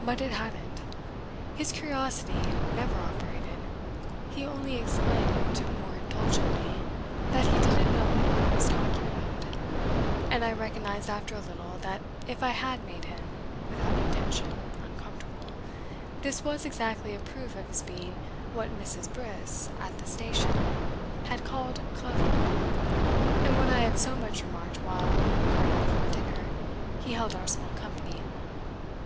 But it hadn't. His curiosity never operated. He only exclaimed, more indulgently, that he didn't know what I was talking about; and I recognised after a little that if I had made him, without intention, uncomfortable, this was exactly a proof of his being what Mrs. Briss, at the station, had called cleverer, and what I had so much remarked while, in the garden before dinner, he held our small company.